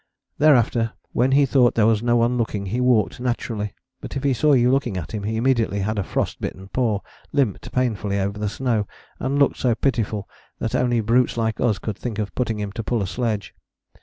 Thereafter when he thought there was no one looking he walked naturally; but if he saw you looking at him he immediately had a frost bitten paw, limped painfully over the snow, and looked so pitiful that only brutes like us could think of putting him to pull a sledge.